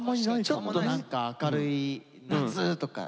ちょっと何か明るい「夏」とか。